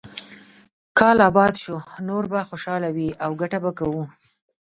کال اباد شو، نور به خوشاله وي او ګټه به کوو.